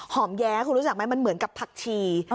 แย้คุณรู้จักไหมมันเหมือนกับผักชี